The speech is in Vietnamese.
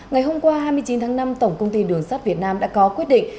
ngày hôm qua hai mươi chín tháng năm tổng công ty đường sắt việt nam đã có quyết định